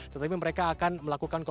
tetapi mereka akan melakukan